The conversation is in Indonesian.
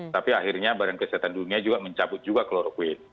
tapi akhirnya badan kesehatan dunia juga mencabut juga kloroquine